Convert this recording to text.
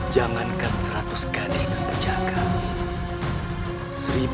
jangankan seratus gadis dan perjagaan